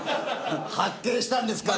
発見したんですから。